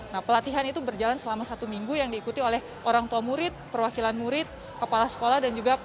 nah pelatihan itu berjalan selama satu minggu yang diikuti oleh orang tua murid perwakilan murid kepala sekolah dan juga